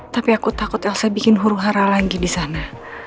tapi aku takut elsa membuat huru hara lagi di sana